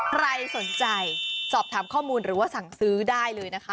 ใครสนใจสอบถามข้อมูลหรือว่าสั่งซื้อได้เลยนะคะ